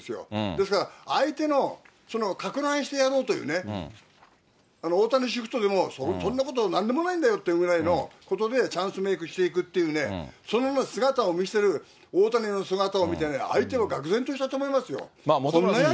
ですから、相手の、かく乱してやろうというね、大谷シフトでも、そんなことなんでもないんだよってことぐらいの、ことでチャンスメークしていくっていうね、その姿を見せる大谷の姿を見てね、相手もがく然としたと思いますよ。